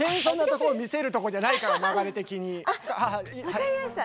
わかりました。